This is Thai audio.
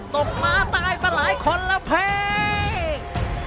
ตกม้าตายมาหลายคนละเพค